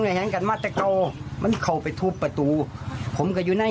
แหงกันมาแต่เก่ามันเข้าไปทุบประตูผมก็อยู่ใน